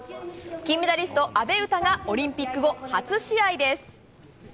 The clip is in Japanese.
金メダリスト阿部詩がオリンピック後、初試合です。